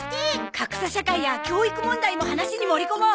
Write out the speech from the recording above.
格差社会や教育問題も話に盛り込もう！